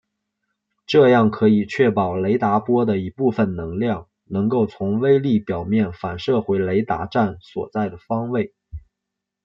这样可以确保雷达波的一部分能量能够从微粒表面反射回雷达站所在方向。